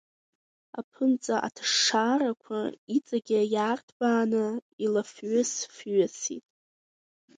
Аԥынҵа аҭышшаарақәа иҵегьы иаарҭбааны илафҩыс-фҩысит.